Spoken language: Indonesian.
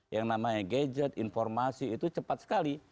yang namanya gadget informasi itu cepat sekali